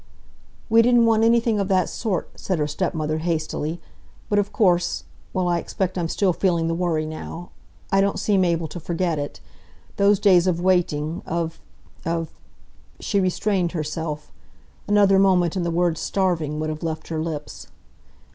"We didn't want anything of that sort," said her stepmother hastily. "But of course—well, I expect I'm still feeling the worry now. I don't seem able to forget it. Those days of waiting, of—of—" she restrained herself; another moment and the word "starving" would have left her lips.